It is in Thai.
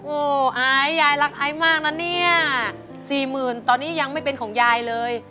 โอ้โหไอซ์ยายรักไอซ์มากนะเนี่ยสี่หมื่นตอนนี้ยังไม่เป็นของยายเลย